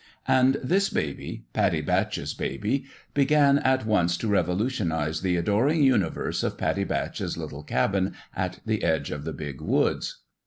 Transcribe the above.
And this baby Pattie Batch's baby began at once to revolutionize the adoring universe of Pattie Batch's little cabin at the edge of the big woods.